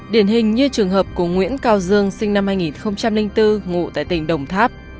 điển hình như trường hợp của nguyễn cao dương sinh năm hai nghìn bốn ngụ tại tỉnh đồng tháp